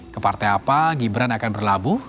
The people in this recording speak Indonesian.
ke partai apa gibran akan berlabuh